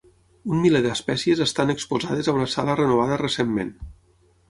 Un miler d'espècies estan exposades a una sala renovada recentment.